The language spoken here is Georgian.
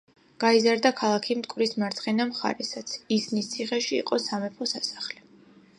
გაიზარდა ქალაქი მტკვრის მარცხენა მხარესაც; ისნის ციხეში იყო სამეფო სასახლე.